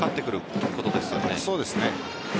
そうですね。